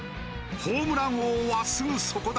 ホームラン王はすぐそこだ。